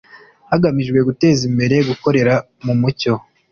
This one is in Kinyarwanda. hagamijwe guteza imbere gukorera mu mucyo